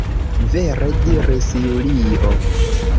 Vere! diris Julio.